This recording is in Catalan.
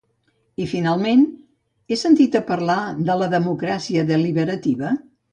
I, finalment, he sentit parlar de la democràcia deliberativa?